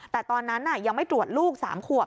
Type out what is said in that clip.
แต่ตอนนั้นยังไม่ตรวจลูก๓ขวบ